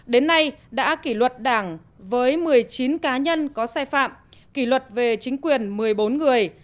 đến nay đã kỷ luật đảng với một mươi chín cá nhân có sai phạm kỷ luật về chính quyền một mươi bốn người